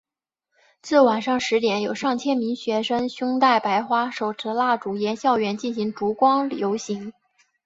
至晚上十点有上千名学生胸带白花手持蜡烛沿校园进行烛光游行。